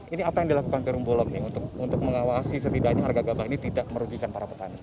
ini apa yang dilakukan perumbulok nih untuk mengawasi setidaknya harga gabah ini tidak merugikan para petani